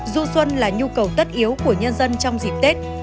du xuân là nhu cầu tất yếu của nhân dân trong dịp tết